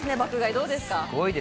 どうですか？